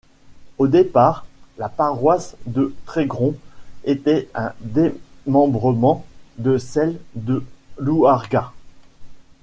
Au départ, la paroisse de Trégrom était un démembrement de celle de Louargat.